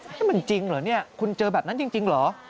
นี่มันจริงเหรอเนี่ยคุณเจอแบบนั้นจริงเหรอ